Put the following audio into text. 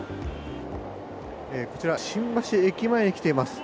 こちら新橋駅前に来ています。